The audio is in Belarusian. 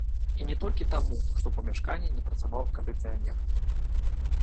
І не толькі таму, што ў памяшканні не працаваў кандыцыянер.